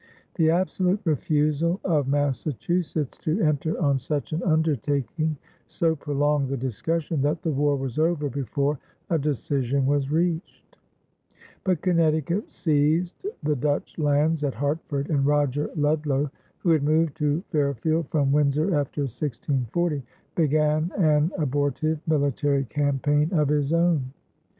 The absolute refusal of Massachusetts to enter on such an undertaking so prolonged the discussion that the war was over before a decision was reached; but Connecticut seized the Dutch lands at Hartford, and Roger Ludlow, who had moved to Fairfield from Windsor after 1640, began an abortive military campaign of his own.